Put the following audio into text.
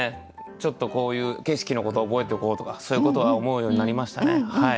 ちょっとこういう景色のこと覚えておこうとかそういうことは思うようになりましたね。